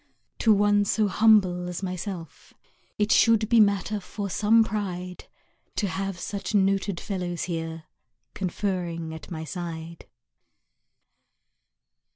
To one so humble as myself It should be matter for some pride To have such noted fellows here, Conferring at my side.